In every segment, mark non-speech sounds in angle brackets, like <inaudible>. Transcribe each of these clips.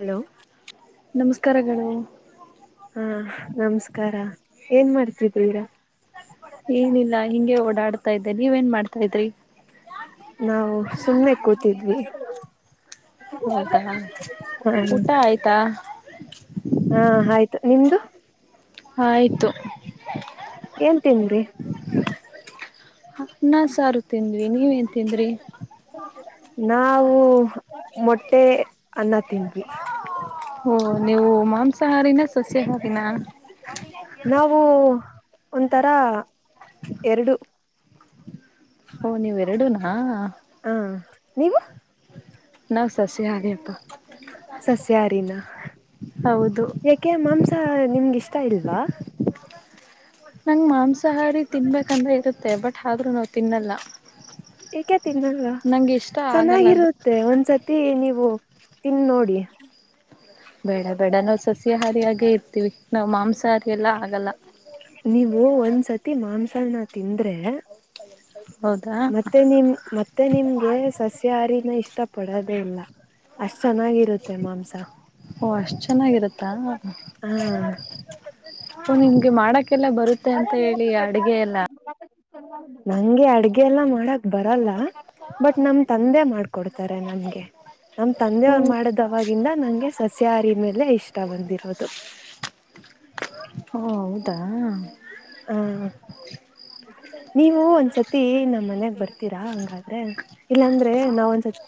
Hello ನಮಸ್ಕಾರಗಳು ಹಾ ನಮಸ್ಕಾರ ಏನ್ ಮಾಡುತ್ತಿದ್ದೀರಾ ಏನಿಲ್ಲಾ ಹಿಂಗೆ ಓಡಾಡ್ತಾ ಇದ್ದೆ ನೀವ ಏನ್ ಮಾಡ್ತಾ ಇದ್ರಿ ನಾವು ಸುಮ್ನೆ ಕೂತಿದ್ವಿ ಹೌದಾ ಹ ಊಟ ಆಯ್ತಾ ಹಾ ಆಯ್ತು ನಿಮ್ದು ಆಯ್ತು ಏನ್ ತಿಂದರೀ ಅನ್ನಾ ಸಾರು ತಿಂದ್ವಿ ನೀವೇನ್ ತಿಂದ್ರಿ. ನಾವು ಮೊಟ್ಟೆ ಅನ್ನ ತಿಂದವಿ. ಓ ನೀವು ಮಾಂಸಹಾರಿನಾ ಸಸ್ಯಹಾರಿನಾ ನಾವು ಒಂಥರಾ ಎರಡು. ಓ ನೀವು ಎರಡುನಾ ಹಾ ನೀವು ನಾವು ಸಸ್ಯಾಹಾರಿಪ್ಪಾ ಸಸ್ಯಾಹಾರಿನಾ ಹೌದು ಯಾಕೆ ಮಾಂಸ ನಿಮ್ಗೆ ಇಷ್ಟ ಇಲ್ವಾ. ನಂಗೆ ಮಾಂಸಾಹಾರಿ ತಿನ್ಬೇಕಂದ್ರೆ ಇರುತ್ತೆ ಬಟ್ ಆದ್ರೂ ನಾವು ತಿನ್ನಲ್ಲಾ ಏಕೆ ತಿನ್ನಲ್ವಾ ಇಷ್ಟ ಆಗಲ್ಲ ಅದು ಚೆನ್ನಾಗಿರುತ್ತೆ ಒಂದ್ಸತಿ ನೀವು ತಿಂದ ನೋಡಿ ಬೇಡ, ಬೇಡ ನಾವು ಸಸ್ಯಾಹಾರಿಯಾಗೆ ಇರ್ತೀವಿ ನಾವ್ ಮಾಂಸಾಹಾರಿ ಎಲ್ಲ ಆಗಲ್ಲ ನೀವು ಒಂದ್ಸತಿ ಮಾಂಸಾಹನ ತಿಂದ್ರೆ ಹೌದಾ ಮತ್ತೆ ನಿಮ್ಮ ಮತ್ತೆ ನಿಮ್ಗೆ ಸಸ್ಯಹಾರಿನೆ ಇಷ್ಟ ಇಷ್ಟ ಪಡೋದೇ ಇಲ್ಲ ಅಷ್ಟ್ ಚೆನ್ನಾಗಿ ಓ ಅಷ್ಟು ಚೆನ್ನಾಗಿರುತ್ತಾ ಹ ಓ ನಿಮ್ಗೆ ಮಾಡಕ್ಕೆಲ್ಲ ಬರುತ್ತೆ ಅಂತ ಹೇಳಿ ಅಡ್ಗೆ ಎಲ್ಲಾ ನಂಗೆ ಅಡ್ಗೆ ಗೆಲ್ಲ ಮಾಡಕ್ ಬರಲ್ಲಾ ಬಟ್ ನಮ ತಂದೆ ಮಾಡ್ಕೊಡ್ತಾರೆ ನಮ್ಗೆ. ನಮ್ ತಂದೆ ಓ ಮಾಡಿದ ಅವಾಗ ಇನ್ನ ನಂಗೆ ಸಸ್ಯಹಾರಿ ಮೇಲೆ ಇಷ್ಟ ಬಂದಿರೋದು. ಹೌದಾ ಹಾ ನೀವು ಒಂದ್ಸತ್ ತಿ ನಮ್ಮ್ ಮನೆಗ ಬರ್ತೀರಾ ಹಂಗಾದ್ರೆ ಇಲ್ಲಾಂದ್ರೆ ನಾವ್ ಒಂದ್ಸತ್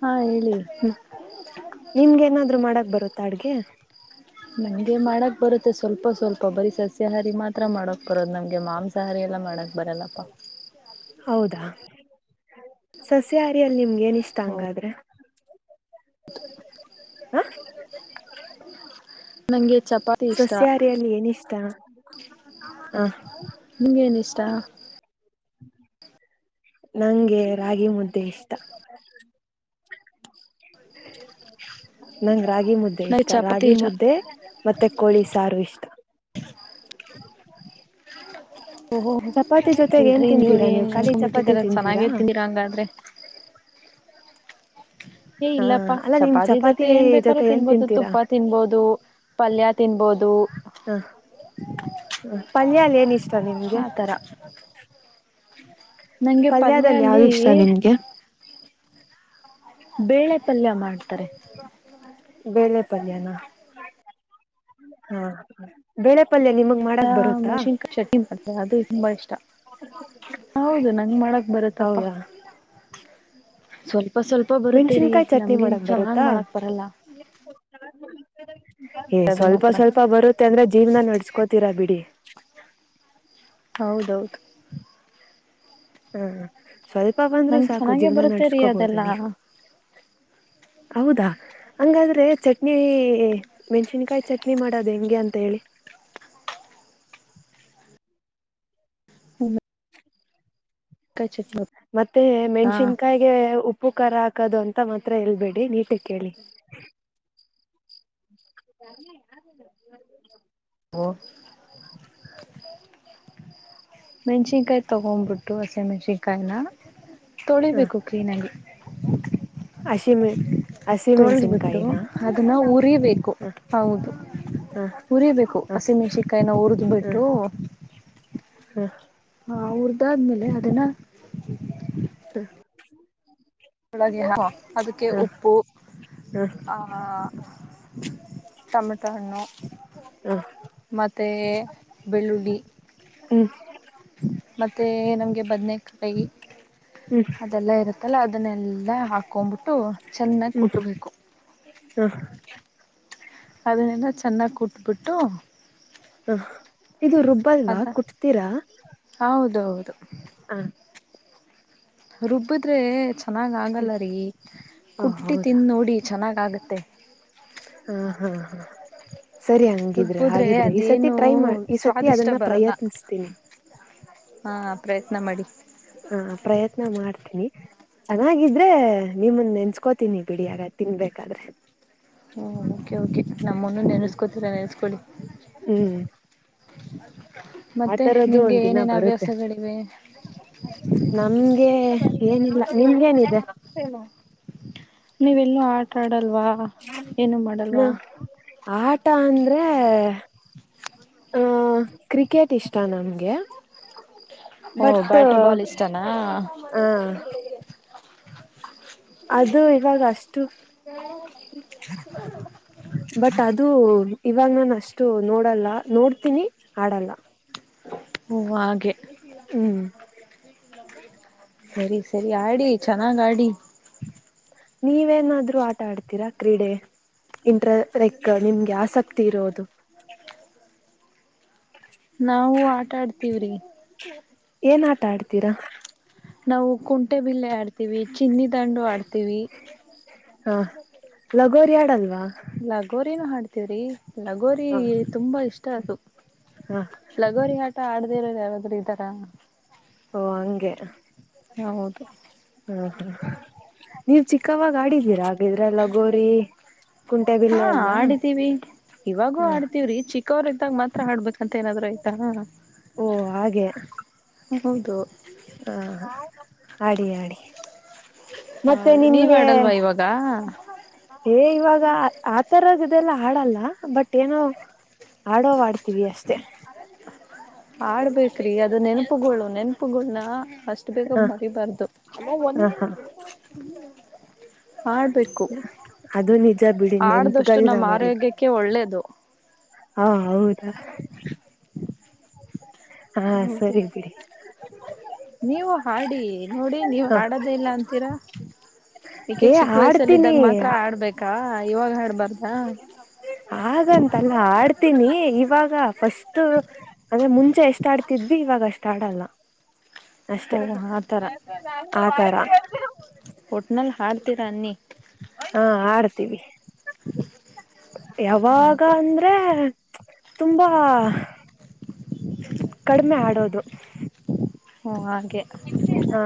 ಹಾ ಹೇಳಿ ಹ್ಮ ನಿಮ್ಗೆ ಏನಾದ್ರು ಮಾಡಕ್ ಬರುತ್ತಾ ಅಡ್ಗೆ. ನಮಗೆ ಮಾಡಕ್ ಬರುತ್ತೆ ಸ್ವಲ್ಪ ಸ್ವಲ್ಪ ಬರೀ ಸಸ್ಯಾಹಾರಿ ಮಾತ್ರ ಮಾಡಕ್ ಬರೋದು ನಮ್ಗೆ ಮಾಂಸಾಹಾರಿ ಎಲ್ಲ ಮಾಡಕ್ ಬರಲ್ಲ ಪ್ಪಾ ಹೌದಾ ಸಸ್ಯಹಾರಯಲ್ಲಿ ನಿಮ್ಗೆ ಏನ ಇಷ್ಟ ಹ ಹಂಗಾದ್ರೆ ಹ ನಂಗೆ ಚಪಾತಿ ಇಷ್ಟ ಸಸ್ಯಾಹಾರಿಯಲ್ಲಿ ಏನಿಷ್ಟ ಹ ನಿಮಗೆೇನ ಇಷ್ಟ ನಂಗೆ ರಾಗಿ ಮುದ್ದೆ ಇಷ್ಟ ನಂಗ ರಾಗಿ ಮುದ್ದೆ ನಂಗೆ ಇಷ್ಟ ಚಪಾತಿ ರಾಗಿ ಇಷ್ಟ ಮುದ್ದೆ ಮತ್ತೆ ಕೋಳಿ ಸಾರು ಇಷ್ಟ ಓಹೋ ಚಪಾತಿ ಜೊತೆಗೆ ಏನ್ ಬಿಡ್ರಿ ನೀವ ತಿಂತೀರಾ ಏನ್ ನೀವು ಖಾಲಿ ಚಪಾತಿ ಅನ್ಕೊಬಿಟ್ಟಿದರ ತಿಂತೀರಾ ಚೆನ್ನಾಗೇರ್ತನರಾ ಹಂಗಾದ್ರೆ ಹ ಏ ಹಾ ಇಲ್ಲಪ್ಪ ಅಲ್ಲ ನಿಮ್ ಚಪಾತಿ ಜೊತೆ ಏನ್ ಬೇಕಾದ್ರೂ ಜೊತೆ ಏನ್ ತಿನ್ಬೋದು ತಿಂತೀರಾ ತುಪ್ಪ ತಿನ್ಬೋದು ಪಲ್ಯ ತಿನ್ಬೋದು ಪಲ್ಯಾಲ ಏನ ಇಷ್ಟ ನಿಮ್ಗೆ ಆತರ ನಂಗೆ ಪಲ್ಯ ಪಲ್ಯದಲ್ಲಿ ಯಾವ್ದು ಅಲ್ಲಿ ಇಷ್ಟ ನಿಮ್ಗೆ ಬೇಳೆ ಪಲ್ಯ ಮಾಡ್ತಾರೆ ಬೇಳೆ ಪಲ್ಯನ ಹಾ ಬೆಳೆ ಮೆಷನ್ ಶಟ್ಟಿನ್ ಮಾಡಡ್ತಾರೆ ಅದು ತುಂಬಾ ಇಷ್ಟ ಹೌದು ನಂಗ ಮಾಡಕ್ ಬರತ್ತಪ್ಪ ಹೌದಾ ಸ್ವಲ್ಪ ಸ್ವಲ್ಪ ಬರುತ್ತೇರಿ ಮೆಣ್ಸಿನ್ಕಾಯಿ ಚಟ್ನಿ ನಮ್ಗಿನ್ ಮಾಡಕ್ ಚೆನ್ನಂಗ್ ಬರುತ್ತಾ ಮಾಡಕ್ ಬರಲ್ಲ ಏ ಅದು ಸ್ವಲ್ಪ ಮಾತ್ರ ಸ್ವಲ್ಪ ಬರುತ್ತೆ ಅಂದ್ರೆ ಜೀವನ ನಡ್ಸ್ಕೋತೀರಾ ಬಿಡಿ ಹಾ ಹೌದೌದು ಹ್ಮ ಸ್ವಲ್ಪ ಬಂದ್ರರು ನಂಗ್ ಸಾಕು ಚೆನ್ನಾಗೆ ಜೀವನ ಬರುತ್ತೆ ರೀ ನಡ್ಸ್ಕೋಬಹುದು ಅದೆಲ್ಲಾ ನೀವು ಹೌದಾ ಹಂಗಾದ್ರೆ ಚಟ್ನಿ ಮೆಣಸಿನ್ಕಾಯಿ ಚಟ್ನಿ ಮಾಡೋದು ಹೆಂಗೆ ಅಂತ ಹೇಳಿ ಹಾ ಹಾ ಮೆಣಸಿನ್ಕಾಯಿ ಚಟ್ನಿ ಮತ್ತೆ ಹಾ ಮೆಣಸಿನ್ಕಾಯಿಗೆ ಉ ಉಪ್ಪು ಖರ ಹಾಕದು ಅಂತ ಮಾತ್ರ ಎೇಳ್ಬೇಡಿ ನೀಟ ಕೇಳಿ ಹಾ ಒ ಮಚಿಕಾಯ ತಗಮ ಬುಟುಸ ಮಚಿಕಾಯ ನ ತೊಳಿಬೇಕು ಕ್ಲೀನ್ಗಿ ಅಸಿ ಮ ತೊಳೆದ್ಬಿಟ್ಟು ಅದನ್ನು ಉರಿಬೇಕು ಹ ಹೌದು ಹ ಉರಿಬೇಕು ಹ ಹಸಿಮೆಣ್ಷಿಕಾಯನ ಉರಿದ್ ಹ ಹ ಬಿಟ್ಟು ಹಾ ಉರ್ದಾದ್ಮೇಲೆ ಅದನಾ ಹಾ ಬೆಳಗೆ ಅದಕ್ಕೆ ಉಪ್ಪು ಹ ಆ ತಮಿ ತ ಅಣ್ಣು ಹ ಮತ್ತುತ ಬೆಲುಳಿ ಹ್ಮ್ ಮತ್ತೆ ನಮ್ಗೆ ಬದ್ನ ಕಾಯಿ ಹ್ಮ್ ಅದೆಲ್ಲ ಇರುತ್ತಲ್ಲ ಅದನ್ನೆಲ್ಲ ಹಾಕ್ಕೊ್ಂಬಿಟ್ಟು ಚೆನ್ನಾಗಿ ಕುಟುಂಕೋ. ಹಾ. ಅದನ್ನೆಲ್ಲ ಚೆನ್ನಾಗಿ ಕುಟ್ಬಿಟ್ಟು ಹ ಇದು ರುಬ್ಬಲ್ವಾ ಅದ ಕುಟ್ತೀರಾ ಹೌದೌದು ಹ ರುಬ್ಬದ್ರೆ ಚೆನ್ನಾಗ್ ಹ್ಮ್ ಆಗಲ್ಲ ರೀ ಓ ಕುಟ್ಟಿ ಹೌದಾ ತಿದ ನೋಡಿ ಚೆನ್ನಾಗ್ ಆಗ <unintelligible> ಉ <unintelligible> ಸರಿ ಹಂಗಿದ್ರೆ ರುಬ್ಬಿದ್ರೆ ಹಾಗಿದ್ರೆ ಈ ಸತಿ ಅದೇನು ಟ್ರೈ ಈ ಸತಿ ಸ್ವಾದಿಷ್ಟ ಅದನ್ನ ಬರಲ್ಲ ಪ್ರಯತ್ನಿಸ್ತೀನಿ ಹಾ ಪ್ರಯತ್ನ ಮಾಡಿ ಹ ಪ್ರಯತ್ನ ಮಾಡ್ತ <unintelligible> ಚೆನ್ನಾಗಿದ್ರೆ ನಿಮ್ಮಂದ ನೆನ್ಸ್ಕೋತೀನಿ ಬಿಡಿಯಾಗ ತಿನ್ಬೇಕಾದ್ರೆ. ಹ್ಞೂ ಓಕೆ ಓಕೆ ನಮ್ಮನ್ನು ಹ್ಮ್ ನೆನೆಸ್ಕೋತೀರ ನೆನೆಸ್ಕೊಳ್ಳಿ. ಹ್ಮ್ ಮತ್ತೆ ಆತರದ್ದು ನಿಮ್ಗೆ ಒಂದ ದಿನ ಏನೇನ್ ಬರುತ್ತೆ ಹವ್ಯಾಸಗಳಿವೆ <inaudible> ನಮ್ಗೆ. ಏನಿಲ್ಲ ನಿಮ್ಗೇನಿದೆ. ನೀವೆಲ್ಲೂ ಆಟ ಆಡಲ್ವಾ ಏನು ಮಾಡಲ್ವಾ. ಹ ಆಟ ಅಂದ್ರೆ ಆಹ ಕ್ರಿಕೆಟ್ ಇಷ್ಟ ನಮ್ಗೆ. ಓ ಬಟ್ ಬ್ಯಾಟು ಬಾಲ್ ಇಷ್ಟನಾ ಹಾ. ಅದು ಇವಾಗ ಅಷ್ಟು. <inaudible> ಬಟ್ ಅದು ಇವಾಗ ನಾನ ಅಷ್ಟು ನೋಡಲ್ಲ ನೋಡ್ತೀನಿ ಆಡಲ್ಲ. ಓ ಹಾಗೆ ಹ್ಮ್ <inaudible> ಸರಿ ಸರಿ ಆಡಿ. ಚೆನ್ನಾಗಾಡಿ. ನೀವೇನಾದ್ರರು ಆಟ ಆಡ್ತೀರಾ ಕ್ರೀಡೆ. ಇಂಟ್ರ ಲೈಕ್ ನಿಮ್ಗೆ ಆಸಕ್ತಿ ಇರೋದು. ನಾವು ಆಟ ಆಡ್ತೀವ್ರಿ. ಏನ್ ಆಟ ಆಡ್ತೀರಾ. ನಾವು ಕುಂಟೆ ಬಿಲ್ಲೆ ಆಡ್ತೀವಿ, ಚಿನ್ನಿ ದಂಡು ಆಡ್ತೀವಿ. ಹಾ ಲಗೋರಿಯಾಡಲ್ವಾ. ಲಗೋರಿನು ಹಾಡ್ತವ್ರಿ. ಲಗೋರಿ ಹ ತುಂಬಾ ಇಷ್ಟ ಅದು ಹ ಲಗೋರಿ ಆ ಆಟ ಆಡ್ದೇ ಇರೋರು ಯಾರಾದ್ರರು ಇದರ. ಓ ಹಂಗೆ. ಹೌದು. ಹ್ಮ ನೀವ್ ಚಿಕ್ಕವಾಗ ಆಡಿದ್ದೀರಾ ಹಾಗಿದ್ರೆ ಲಗೋರಿ. ಹಾ ಕುಂಟೆಬಿಲ್ಲೆ ಎಲ್ಲ ಆಡಿದ್ದೀವಿ. ಇವಾಗೂ ಹ ಆಡ್ತವ್ರಿ ಚಿಕ್ಕವರು ಇದ್ದಾಗ ಮಾತ್ರ ಆಡ್ಬೇಕಂತ ಏನಾದ್ರು ಆಯ್ತಾ. ಓ ಹಾಗೆ. ಹೌದು. ಹಾ ಅಡಿ ಆಡಿ. ಮತ್ತೆ ಹೌದು ನೀವ್ ನಿಮ್ಗೆ. ಆಡಲ್ವಾ ಇವಾಗ <inaudible> ಏ ಇವಾಗ ಆ ತರದ ಇದೆಲ್ಲ ಹಾಡಲ್ಲ ಬಟ್ ಏನೋ ಹಾಡೋಡ್. ತಿವಿ ಅಷ್ಟೇ. ಆಡ್ಬೇಕ್ರಿ ಅದು ನೆನಪುಗಳು ನೆನಪುಗಳನ. ಅಷ್ಟು ಬೇಗ ಹ ಮರಿಬರ್ದು. <inaudible> ಹ ಹಾ ಅದು ನಿಜ ಬಿಡಿ ಆಡ್ದಷ್ಟು ನೆನ್ಪುಗಲ್ ನ ನಮ್ಮ ಮರಿಬರ್ದು. ಆರೋಗ್ಯಕ್ಕೆ ಒಳ್ಳೇದು ಹಾ ಹೌದಾ. ಹಾ ಹೌದು ಸರಿ ಬಿಡಿ. ನೀವು ಹಾಡಿ ನೋಡಿ ನೀವು ಹಾಡೋದೇ ಇಲ್ಲ ಅಂತೀರಾ. ಯಾಕೆ ಏ ಚಿಕ್ಕ ಆಡ್ತೀನಿ ವಯಸ್ಸಲ್ಲಿದ್ದಾಗ ಮಾತ್ರ ಹಾಡ್ಬೇಕಾ ಇವಾಗ ಹಡ್ಬಾರ್ದಾ. ಹಾಗಂತಲ್ಲ ಆಡ್ತೀನಿ ಇವಾಗ ಫಸ್ಟ್ ಅಂದ್ರೆ ಮುಂಚೆ ಎಷ್ಟ ಆಡ್ತಿದ್ವಿ ಇವಾಗ ಅಷ್ಟ ಆಡಲ್ಲ. ಅಷ್ಟೇ ಓಹ ಆ ತರ ಹಟ್ನಲ್ ಹಾಡ್ತಿರ ಅನ್ನಿ. ಹಾ ಆಡ್ತೀವಿ ಯಾವಾಗ ಹಾಗೆ ಅಂದ್ರೆ. ತುಂಬಾ. ಕಡಿಮೆ ಆಡೋದು. ಹ. ಹಾ.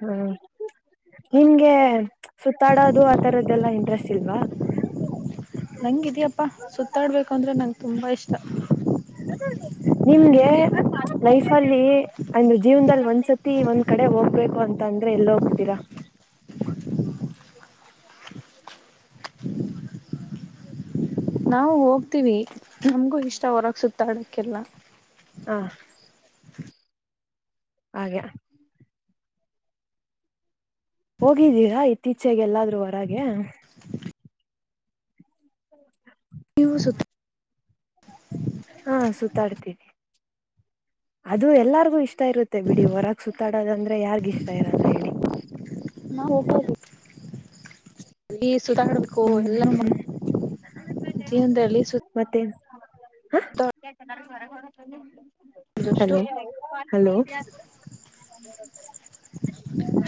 ಹ್ಮ ನಿಂಗೆ ಸುತ್ತಾಡದು ಆತರದ್ದದೆಲ್ಲಾ ಇಂಟ ದ್ರಸ್ ಇಲ್ವಾ. ನಂಗಿದ್ಯಪ್ಪ ಸುತ್ತಾಡ್ಬೇಕು ಅಂದ್ರೆ ನಂಗೆ ತುಂಬ ಇಷ್ಟ. ನಿಮ್ಗೆ. ಅಲ್ಲಿ ಅಂದ್ರ ಜೀವನದಲ್ಲಿ ಒಂದ್ಸತಿ ಒಂದ ಕಡೆ ಹೋಗ್ಬೇಕು ಅಂತ ಅಂದ್ರೆ ಎಲ್ಲ ಹೋಗ್ತೀರಾ. <unintelligible> ನಾವು ಹೋಗ್ತಿವಿ ನಮಗೂ ಇಷ್ಟ ಹೊರಗ ಸುತ್ತಾಡಕ್ಕ ಎಲ್ಲಾ ಹಾ ಹಾಗೆ ಹೋಗಿದ್ದೀರಾ ಇತ್ತೀಚೆಗೆ ಎಲ್ಲಾದ್ರು ಹೊರಗೆ <inaudible> <inaudible> ನೀವು ಸುತ್ ಹಾ ಸುತ್ತಾಡ್ತೀವಿ ಅದು ಎಲ್ಲಾರ್ಗು ಇಷ್ ಸುತ್ತಾ ಇರುತ್ತೆ ಬಿಡಿ ಹೊರಗ ಸುತ್ತಾಡೋದಂದ್ರೆ ಯಾರ್ಗ್ ಇಷ್ಟ ಇರಲ್ಲ ಹೇಳಿ. ನಾವು <inaudible> ಸುತ್ತಾಡ್ಬೇಕು ಹ್ಮ್ ಎಲ್ಲ ಹ್ಮ್ <unintelligible> ಜೀವನದಲ್ಲಿ ಸು <unintelligible> ಹಲೋ ಹಲೋ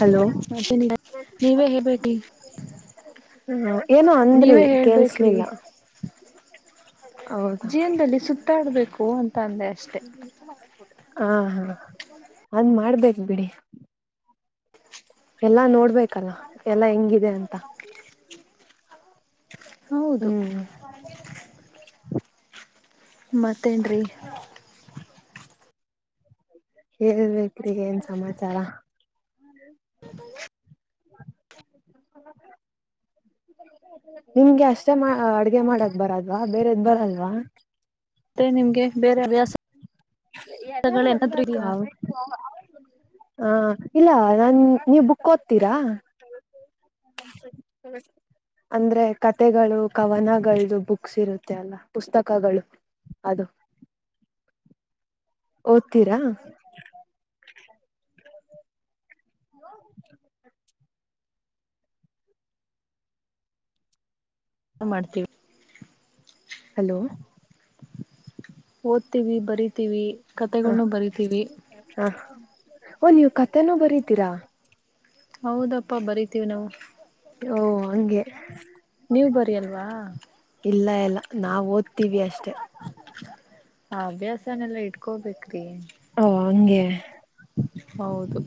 ಹಲೋ ಇ <unintelligible> ನೀವೇ ಹೇಬೇಕಿ <inaudible> ಹ ಏನೋ ಅಂದ್ರಿ ಕೇಳಸಲಿಲ್ಲ. ಜೀವನದಲ್ಲಿ ಸುತ್ತಾಡ್ಬೇಕು ಅಂತ ಅಂದೆ ಅಷ್ಟೆ. ಹಾ ಹಾ ಅದ್ನ ಮಾಡ್ಬೇಕ ಬಿಡಿ. ಎಲ್ಲಾ ನೋಡ್ಬೇಕಲ್ಲ ಎಲ್ಲಾ ಹೆಂಗಿದೆ ಅಂತ. ಹೌದು ಹ್ಮ. ಮತ್ತೆನ್ರೀ ಹೇಳ್ಬೇಕ್ರಿ ಏನ್ ಸಮಾಚಾರ <inaudible> ನಿಮ್ಗೆ ಅಷ್ಟೇ ಮ ಅಡ್ಗೆ ಮಾಡಕ್ ಬರಲ್ವಾ ಬೇರೆದ ಬರಲ್ವಾ. ಮತ್ತೆ ನಿಮ್ಗೆ ಬೇರೆ ಅಭ್ಯಾಸ ಗಳೇನಾದ್ರೂ ಇದೆಯಾ. ಆ ಇಲ್ಲ ನಾನ್ ನೀವ ಬುಕ್ ಓದ್ತೀರಾ. <inaudible> ಅಂದ್ರೆ ಕತೆೆಗಳು ಕವನಗಳದು ಬುಕ್ಸ್ ಇರುತ್ತೆ ಅಲ್ಲ ಪುಸ್ತಕಗಳು ಅದು <inaudible> ಓದ್ತೀರಾ. <inaudible> ಮಾಡ್ತೀವ ಹಲೋ ಓದ್ತೀವಿ ಬರಿತೀವಿ ಹ ಕತೆೆಗಳನೂ ಬರಿತೀವಿ. ಹ ಓ ನೀವ್ ಕತೆೆನೂ ಬರಿತಿರಾ. ಹೌದಪ್ಪಾ ಬರಿತೀವಿ ನಾವು ಓ ಹಂಗೆ ನೀವ ಬರಿಯಲ್ವಾ. ಲ್ಲ ನಾವ್ ಓದ್ತೀವಿ ಅಷ್ಟೆ. ಆ ಅಭ್ಯಾಸನೆೆಲ್ಲ ಇಟ್ಕೋಬೇಕ್ರಿ. ಓ ಹಂಗೆ ಹೌದು.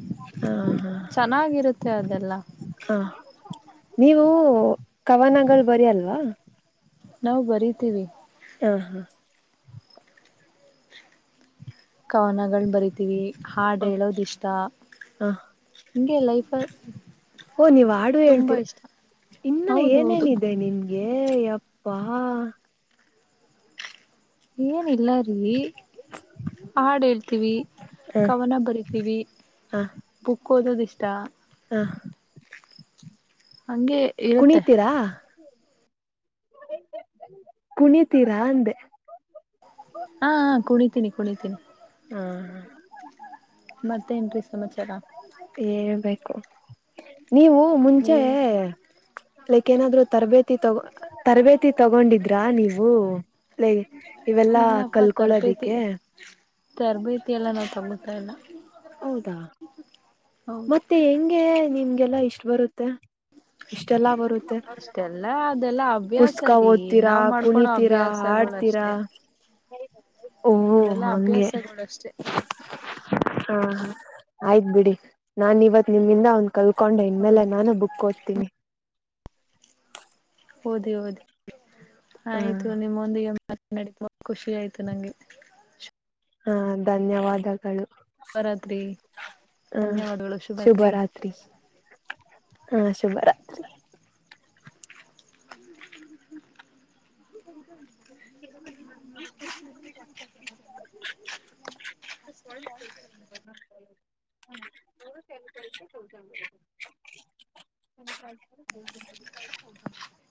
ಹಾ ಹಾ ತೆದೆಲ್ಲಾ ಹಾ ನೀವು ಕವನಗಳ ಬರಿಯಲ್ವಾ. ನಾವು ಬರಿತೀವಿ. ಹಾ ಹಾ. ಕವನಗಳು ಬರಿತೀವಿ. ಹಾಡ ಹೇಳೋದಿಷ್ಟ ಹ ಹ ಹೀಗೆ ಲೈಫಲ್ಲಿ. ಓ ನೀವ್ ಹಾಡು ಹೇಳ್ತೀರ ಇನ್ನು ಹೌದ ಹೌದು ಏನೇನಿದೆ ನಿಮ್ಗ. ಏ ಅಪ್ಪಾ. ಏನ ಇಲ್ಲ ರೀ. ಹಾಡ ಹೇಳ್ತೀವಿ ಹ ಕವನ ಬರಿತೀವಿ. ಬುಕ್ ಓದೋದ ಇಷ್ಟ. ಹಾ. ಹಂಗೆ ಇರುತ್ತೆ. ಕುಣಿತೀರಾ ಕುಣಿತೀರಾ ಅಂದೆ. ಹಾ ಹಾ ಕುಣಿತೀನಿ ಕುಣಿತೀನಿ. ಹ ಮತ್ತ ಏನ್ರೀ ಸಮಾಚಾರ. ಹೇಳ್ಬೇಕು ನೀವು ಮುಂಚೆ. ನೀವು ಲೈಕ್ ಏನಾದ್ರು ತರಬೇತಿ ತಗೋ ತರಬೇತಿ ತಗೊಂಡಿದ್ರಾ ನೀವು. ಲೆ ಇವೆಲ್ಲಾ ಇಲ್ಲಪ್ಪ ತರಬೇತಿ ಕಲ್ಕೊಳೋದಿಕ್ಕೆ. ತರಬೇತಿ ಎಲ್ಲ ನಾವ್ ತೊಗೊತ ಇಲ್ಲ. ಹೌದಾ. ಹೌದು ಮತ್ತೆ ಹೆಂಗೆ ನಿಮ್ಗೆಲ್ಲ ಇಷ್ಟ ಬರುತ್ತೆ ಇಷ್ಟೆಲ್ಲಾ ಬರು. ಇಷ್ಟೆಲ್ಲ. ಇದೆಲ್ಲ ಅಭ್ಯಾಸ ರೀ ಓದ್ತೀರಾ ನಾವ್ ಮಾಡ್ಕೊಳೋ ಕುಣಿತೀರಾ ಅಭ್ಯಾಸಗಳು ಹಾಡ್ತೀರಾ ಅಷ್ಟೆ. <unintelligible> ಅದೆಲ್ಲ ಹಂಗೆ ಅಭ್ಯಾಸಗಳುಷ್ಟೆ. ಹಾ ಆಯ್ತ್ ಬಿಡಿ ನಾ ಇವತ್ ನಿಮಿಂದ. ಕಲ್ಕೊಂಡು ಇನ್ಮೇಲೆ ಹೌದು ನಾನು ಬುಕ್ ಓದ್ತೀನಿ. ಓದಿ ಓದಿ ಹ ಆಯ್ತು ನಿಮ್ಮೊಂದಿಗೆ. ಮತ್ತ ನಡಿತ ವಾ ಖುಷಿ ಆಯ್ತು ನಂಗೆ. ಹಾ ಧನ್ಯವಾದಗಳು. ಶುಭರಾತ್ರಿ ಹ ಧನ್ಯವಾದಗಳು ಶುಭಾತ್ರಿ. ಹ ಶುಭ ರಾತ್ರಿ. <unintelligible> <unintelligible> <unintelligible>